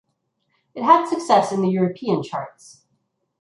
It had success in the European charts.